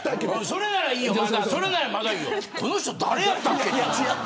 それならまだいいよ。